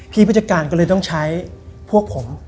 พี่พจการก็เลยต้องใช้พวกผม